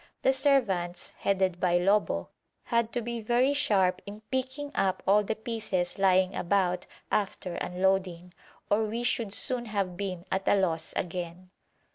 The servants, headed by Lobo, had to be very sharp in picking up all the pieces lying about after unloading, or we should soon have been at a loss again.